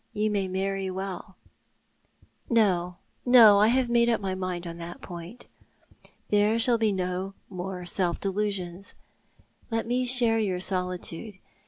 You may marry well "" No, no, I have made up my mind upon that point. There shall be no more self delusions. Let me share your solitude.